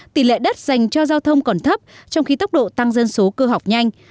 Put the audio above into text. tỷ lệ đất dành cho giao thông còn thấp trong khi tốc độ tăng dân số cơ học nhanh